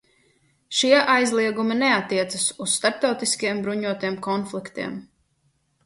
Šie aizliegumi neattiecas uz starptautiskiem bruņotiem konfliktiem.